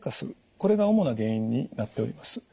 これが主な原因になっております。